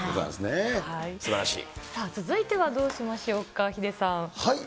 では続いてはどうしましょうか、ヒデさん。